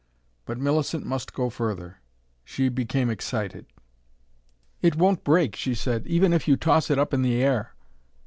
But Millicent must go further. She became excited. "It won't break," she said, "even if you toss it up in the air."